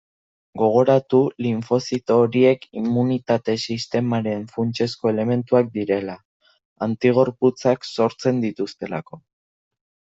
Gogoratu linfozito horiek immunitate-sistemaren funtsezko elementuak direla, antigorputzak sortzen dituztelako.